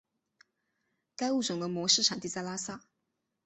该物种的模式产地在拉萨。